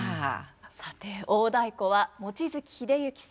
さて大太鼓は望月秀幸さん